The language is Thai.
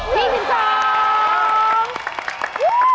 ถูกกว่าไหม